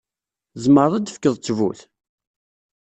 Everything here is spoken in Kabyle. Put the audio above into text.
Tzemreḍ ad d-tefkeḍ ttbut?